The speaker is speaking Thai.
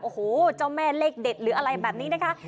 โอ้โหเจ้าแม่เลขเด็ดหรืออะไรแบบนี้นะคะ